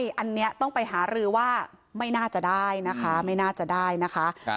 อันนี้ต้องไปหารือว่าไม่น่าจะได้นะคะไม่น่าจะได้นะคะ